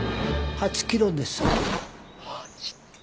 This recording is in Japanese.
８キロ！